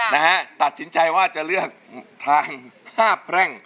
นะฮะตัดสินใจว่าจะเลือกทางห้าแพร่ง